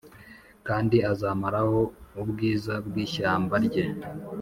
Kandi azamaraho ubwiza bw ishyamba rye